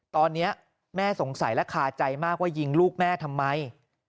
ตอนนี้แม่สงสัยและคาใจมากว่ายิงลูกแม่ทำไม